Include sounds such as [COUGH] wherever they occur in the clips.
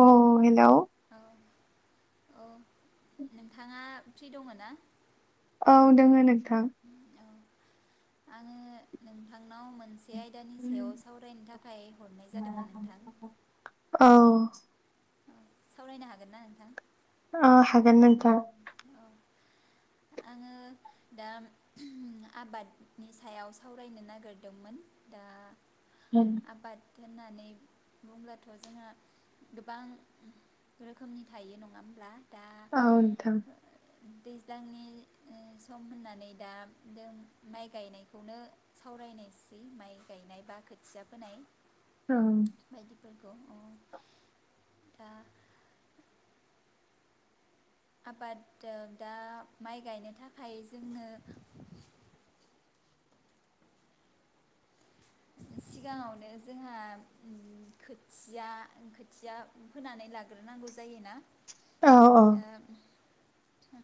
अ hello औ औ नोंथाङा फ्रि दङ ना? औ दङो नो थां औ आङो नोंथांनाव मोनसे बे आयदानि सायाव सावरायनो थाखाय हरनाय जादोंमोन नोंथां [INAUDIBLE] सावरायनो हागोन ना नोंथां? अ हागोन नोंथां, औ आङो दा आबादनि सायाव सावरायनो नागिरदोंमोन। ओ आबाद होननानै बुंब्लाथ' जोंहा गोबां रोखोमनि थायो नङा होमब्ला दा, औ थां दैज्लांनि ओ सम होननानै दा जों माइ गायनायखौनो सावरायनायसै माइ गायनाय बा खोथिया फोनाय औ अ, दा आबादा दा माइ गायनो थाखाय जोंनो सिगाङावनो जोंहा उम खोथिया खोथिया फोनानै लाग्रोनांगौ जायोना? औ दा थ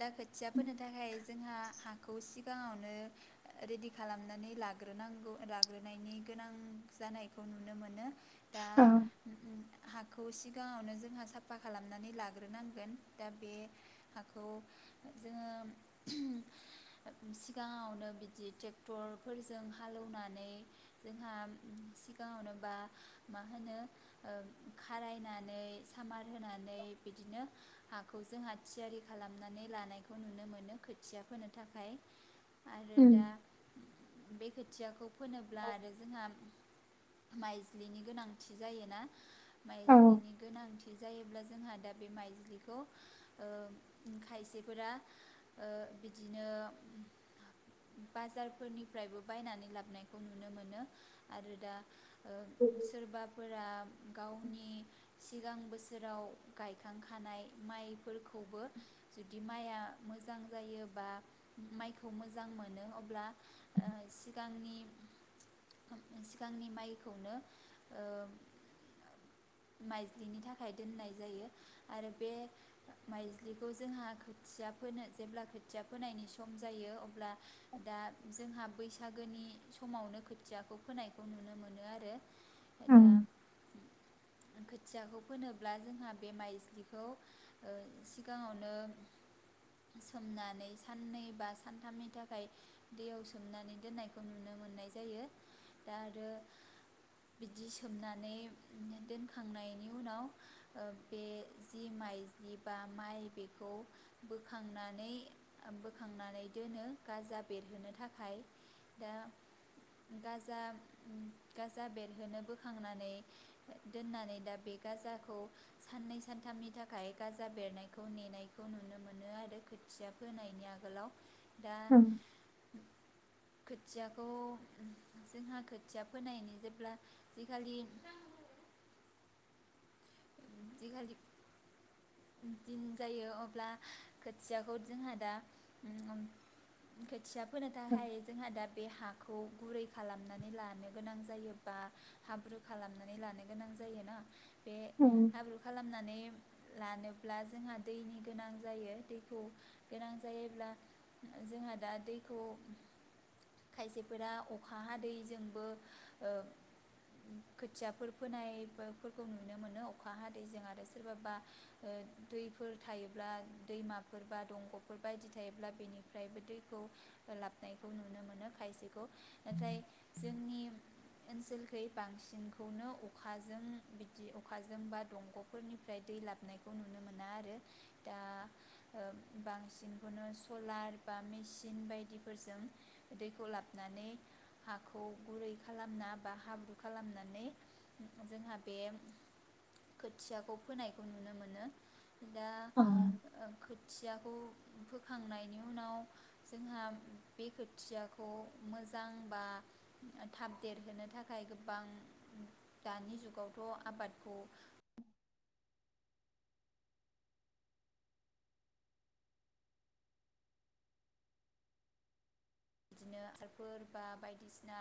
दा खोथिया फोनो थाखाय जोंहा हा खौ सिगाङावनो रेडि खालामनानै लाग्रोनांगौ लाग्रोनायनि गोनां जानायखौ नुनो मोनो, दा, औ हाखौ सिगाङावनो जोंहा साफा खालामनानै लाग्रोनांगोन दा बे हाखौ जोङो सिगाङावनो बिदि ट्रेक्टरफोरजों हालौनानै नानै जोंहा सिगाङावनो बा मा होनो ओ खारायनानै सामार होनानै बिदिनो हाखौ जोंहा थियारि खालामनानै लानायखौ नुनो मोनो खोथिया फोनो थाखाय। आरो उम दा बे खोथियाखौ फोनोब्ला आरो जोंहा माइज्लिनि गोनांथि जायोना। औ माइज्लिनि गोनांथि जायोब्ला जों जोंहा दा बे माइज्लिखौ ओ खायसेफोरा ओ बिदिनो बाजारफोरनिफ्रायबो बायनानै लाबनाय खौ नुनो मोनो आरो दा ओ सोरबाफोरा गावनि सिगां बोसोराव गायखांखानाय माइफोरखौबो जुदि माइआ मोजां जायो बा माइखौ मोजां मोनो अब्ला ओ सिगांनि सिगांनि माइखौनो ओ माइज्लिनि थाखाय दोननाय जायो आरो बे माइज्लिखौ जोंहा खोथिया फोनो जेब्ला खोथिया फोनायनि सम जायो अब्ला दा जोंहा बैसा गोनि समावनो खोथियाखौ फोनायखौ नुनो मोनो आरो। उम दा खोथियाखौ फोनोब्ला जोंहा बे माइज्लिखौ ओ सिगाङावनो सोमनानै साननै बा सानथामनि थाखाय दैयाव सोमनानै दोननायखौ नुनो मोननाय जायो दा आरो बिदि सोमनानै दोनखांनायनि उनाव ओ बे जि माइज्लि बा माइ बेखौ बोखांनानै ओ बोखांनानै दोनो गाजा बेरहोनो थाखाय दा गाजा-गाजा बेरहोनो बोखांनानै दोननानै दा बे गाजाखौ साननै सानथामनि थाखाय गाजा बेरनायखौ नेनायखौ नुनो मोनो आरो खोथिया फोनायनि आगोलाव। दा उम खोथियाखौ जोंहा खोथिया फोनायनि जेब्ला जिखालि दिन जायो अब्ला खोथियाखौ जोंहा दा उम खोथिया फोनो थाखाय जोंहा दा बे हा खौ गुरै खालामनानै लानो गोनां जायो बा हाब्रु खालामनानै लानो गोनां जायोना बे उम हाब्रु खालामनानै लानोब्ला जोंहा दैनि गोनां जायो दैखौ गोनां जायोब्ला जोंहा दा दैखौ खायसेफोरा अखा हादैजोंबो ओ खोथियाफोर फोनायफोरखौ नुनो मोनो अखा हादैैजों आरो सोरबाबा ओ दैफोर थायोब्ला दैमाफोर बा दंगफोर बायदि थायोब्ला बेनिफ्रायबो दैखौ लाबनायखौ नुनो मोनो खायसे खौ नाथाय जोंनि ओनसोलखै बांसिनखौनो अखाजों बिदि अखा जों बा दंगफोरनिफ्राय दै लाबनायखौ नुनो मोना आरो दा ओ बांसिनखौनो सलार बा मेसिन बायदिफोरजों दैखौ लाबानै हाखौ गुरै खालामना बा हाब्रु खालामनानै जोंहा बे खोथियाखौ फोनायखौ नुनो मोनो। दा औ ओ खोथियाखौ फोखांनायनि उनाव जोंहा बे खोथियाखौ मोजां बा थाब देरहोनो थाखाय गोबां दानि जुगावथ आबादखौ बिदिनो हासारफोर बा बायदिसिना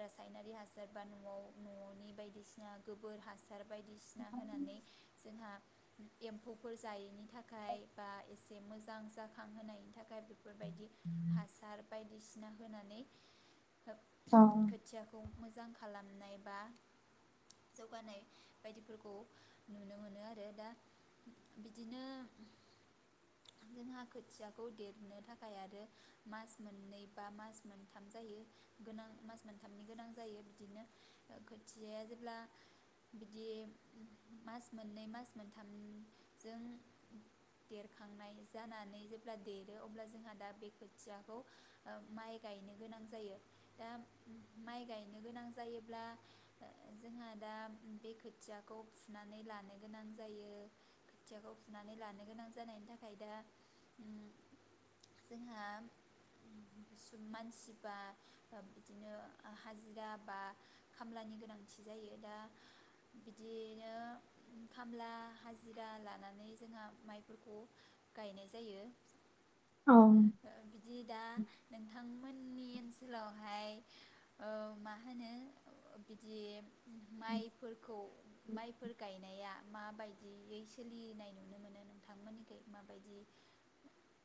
रासायनारि हासार बा नआव ननि बायदिसिना गोबोर हासार हासार बायदिसिना होनानै जोंहा एम्फौफोर जायिनि थाखाय बा एसे मोज दां जाखांहोनायनि थाखाय बेफोरबायदि हासार बायदिसिना होनानै। ओ औ खोथियाखौ मोजां खालाम नाय बा जौगानाय बायदिफोरखौ नुनो मोनो आरो दा बिदिनो जोंहा खोथियाखौ देरनो थाखाय आरो मास मोननै बा मास मोनथाम जायो गोनां मास मोनथामनि गोनां जायो बिदिनो खोथियाया जेब्ला बिदि मास मोननै मास मोनथामजों देरखांनाय जानानै जेब्ला देरो अब्ला जोंहा दा बे खोथिया खौ ओ माइ गायनो गोनां जायो दा माइ गायनो गोनां जायोब्ला जोंहा दा बे खोथियाखौ फुनानै लानो गोनां जायो खोथियाखौ फुनानै लानो गोनां जानायनि थाखाय दा ओम जोंहा। मानसिबा ओ बिदिनो हाजिरा बा खामलानि गोनांथि जायो दा बिदिनो खामला हाजिरा लानानै जोंहा माइफोरखौ गायनाय जायो। औ बिदि दा नोंथां मोननि ओनसोलावहाय ओ मा होनो बिदि माइफोरखौ माइफोर गायनाया। माबायदियै सोलिनाय नुनो मोनो नोंथांमोननिखै माबायदि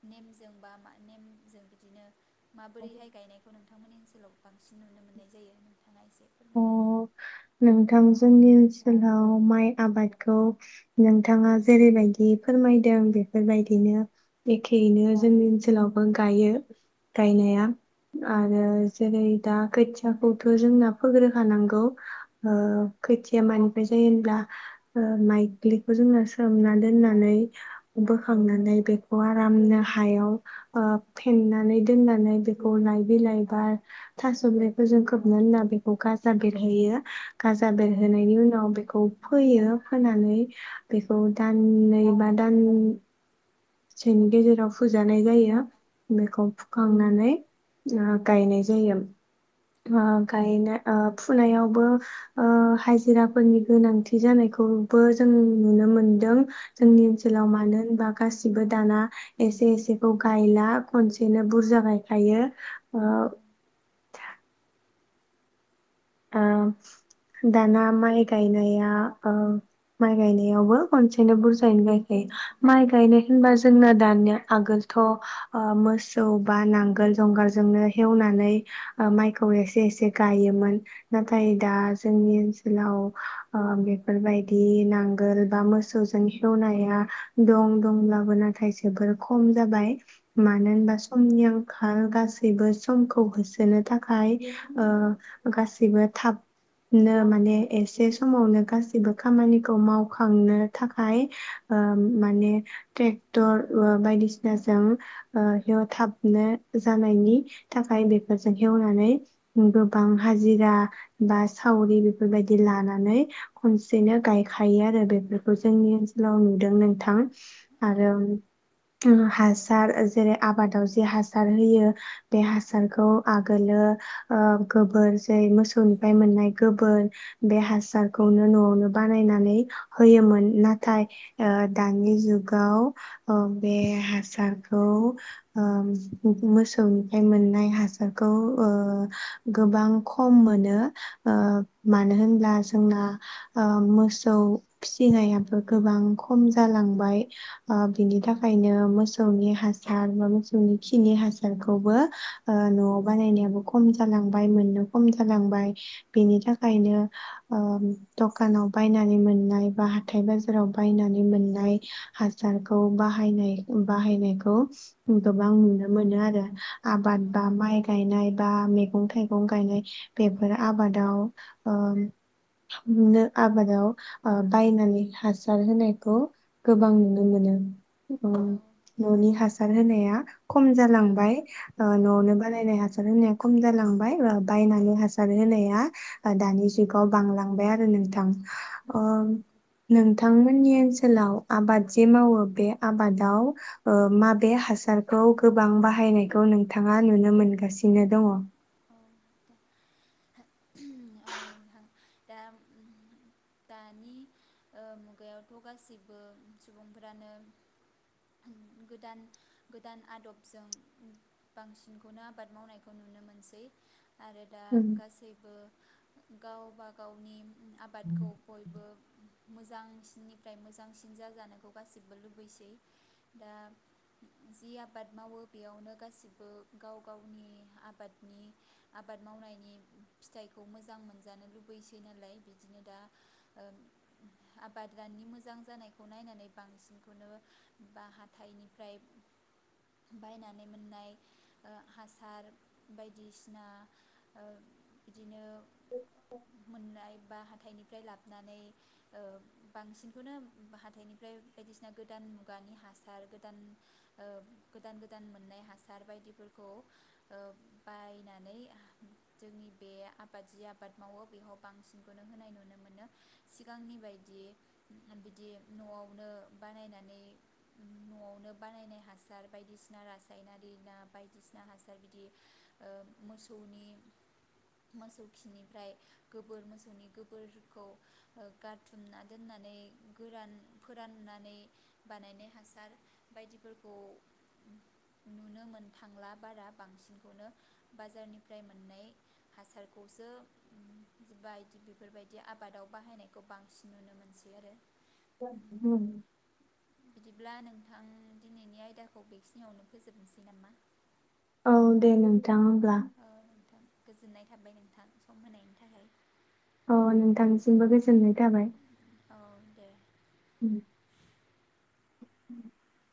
नेमजों बा मा नेम? जों बिदिनो माबोरैहाय गायनायखौ नों बिथांमोननि ओनसोलाव बांसिन नुनो मोननाय जायो। थानाय एसे फोरमायना होदो। अ नोंथां जोंनि ओनसोलाव माइ आबादखौ नोंथाङा जेरैबायदि फोरमायदों बेफोरबायदिनो एखेयैनो जोंनि ओनसोलावबो गायो गायनाया आरो जेरै दा खोथियाखौथ' जोंना फोग्रोखानांगौ ओ खोथिया मानिफ्राय जायो होनब्ला ओ माइग्लिखौ जोंङो सोमना दोननानै बोखांनानै बेखौ आरामनो हायाव ओ फेननानै दोननानै बेखौ लाय बिलाइ बा थास'बिलायफोरजों खोबना दोनना बेख खौ गाजा बेरहोयो गाजा बेरहोनायनि उनाव बेखौ फोयो फोनानै बेखौ दाननै बा दान सेनि गेजेराव फुजानाय जायो बेखौ फुखांनानै ओ गायनाय जायो औ ओ गायना ओ फुनायावबो ओ हाजिराफोरनि गोनांथि जानायखौबो जों नुनो मोनदों जोंनि ओनसोलाव मानो होनबा गासि बो दाना एसे एसेखौ गायला खनसेनो बुरजा गायखायो ओ औ औ दाना माइ गायनाया ओं माइ गायनायावबो खनसेनो बुरजायैनो गायखायो माइ गायनाय होनबा जोंना दानिया आगोलथ'ओ मोसौ बा नांगोल जंगालजोंनो हेवनानै ओ माइखौ एसे एसे गायोमोन। नाथाय दा जोंनि ओनसोलाव ओ बेफोरबायदि नांगोल बा मोसौजों हेवनाया दं दंब्लाबो नाथाय जोबोर खम जाबाय। मानो होनबा समनि आं खाल गासैबो समखौ होसोनो थाखाय ओ गासैबो थाबनो माने एसे समावनो गासैबो खामानिखौ मावखांनो थाखाय ओ माने टेक्टर ओ बायदिसिनाजों ओ थाबनो जानायनि थाखाय बेफोरजों हेवनानै गोबां हाजिरा बा सावरि बेफोरबायदि लानानै खनसेनो गायखायो आरो बेफोरखौ जोंनि ओनसोलाव नुदों नोंथां। औ आरोम उम हासार ओ जेरै आबादाव जे हासार होयो बे हासारखौ आगोलो ओ गोबोर जाय मोसौनिफाय मोननाय गोबोर बे हासारखौनो न'आवनो बानायनानै होयोमोन नाथाय ओ दानि जुगाव ओ बे हासारखौ ओ मोसौनिफाय मोननाय हासारखौ ओ गोबां खम मोनो ओ मानो होनब्ला जोंना ओ मोसौ फिसिनायाबो गोबां खम जालांबाय ओ बिनि थाखायनो मोसौनि हासार बा मोसौनि खिनि हासारखौबो ओ न'आव बानायनायाबो खम जालांबाय मोननो खम जालांबाय बेनि थाखायनो ओम दखानाव बायनानै मोननाय बा हाथाइ बाजाराव बायनानै मोननाय हासारखौ बाहायनाय बाहायनायखौ गोबां नुनो मोनो आरो आबाद औ बा माइ गायनाय बा मैगं थाइगं गायनाय बेफोर आबादाव ओ नुनो आबादाव ओ बायनानै हासार होनायखौ गोबां नुनो मोनो। औ ओम न'नि हास हार होनाया। खम जालांबाय औ न'आवनो बानायनाय हासार होनाया खम जालांबाय बायनानै हासार होनाया दानि जुगाव बांलांबाय आरो नोंथां। औ ओं नोंथां। नोंथांमोननि ओनसोलाव आबाद जे मावो बे आबादाव ओ माबे हासारखौ गोबां बाहायनायखौ नोंथाङा नुनो मोनगासिनो दङ? [INAUDIBLE] नोंथां दा दानि मुगायावथ' गासैबो सुबुंफोरानो गोदान गोदान आदबजों बांसिनखौनो आबाद मावनायखौ नुनो मोनसै। आरो दा उम, गासै ओ गावबा गावनि आबादखौ बयबो मोजांसिननिफ्राय मोजांसिन जाजानायखौ गासैबो लुबैसै दा जि आबाद मावो बेयावनो गासिबो गाव गावनि आबादनि आबाद मावनायनि फिथाइखौ मोजां मोनजानो लुबैसै नालाय बिदिनो दा ओ आबादनि मोजां जानायखौ नायनानै बांसिनखौनो बा हाथाइनिफ्राय बायनानै मोननाय ओ हासार बायदिसिना ओ बिदिनो मोननाय बा हाथाइनि फ्राय लाबोनानै ओ बांसिनखौनो हाथाइनिफ्राय बायदिसिना गोदान मुगानि हासार गोदान ओ गोदान गोदान मोननाय हासार बायदिफोरखौ ओ बायनानै जोंनि बे आबाद जि आबाद मावो बेयाव बांसिनखौनो होनाय नुनो मोनो सिगांनि बायदि बिदि न'आवनो बानायनानै न'आवनो बानायनाय हासार बायदिसिना रासायनारि ना बायदिसिना हासार बिदि ओ मोसौनि मोसौ खिनिफ्राय गोबोर मोसौनि गोबोरखौ गारथुमना दोननानै गोरान फोराननानै बानायनाय हासार बायदिफोरखौ नुनो मोन थांला बारा बांसिनखौनो बाजारनिफ्राय मोननाय हासारखौसो बायदि बेफोरबायदि आबादाव बाहायनायखौ बांसिन नुनो मोनसै आरो। [INAUDIBLE] बिदिब्ला नोंथां दिनैनि आयदाखौ बेखिनियावनो फोजोबनोसै नामा? औ दे नों थाङोब्ला औ नोंथां गोजोननाय थाबाय नोंथां सम होनायनि थाखाय। अ नोंथांसिमबो गोज [UNINTELLIGIBLE] थाबाय औ दे उम [INAUDIBLE]